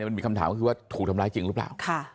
มันมีคำถามก็คือว่าถูกทำร้ายจริงหรือเปล่า